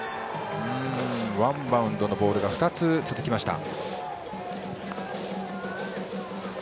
ワンバウンドのボールが２つ続きました。